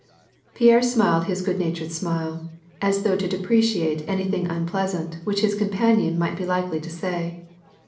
Pierre smiled his good natured ^mile, as though to depre cate anything unpleasant which his companion might be likely to say.